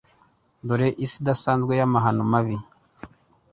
Dore Isi idasanzwe y'amahano mabi